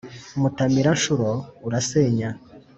mutamira-nshuro urasenya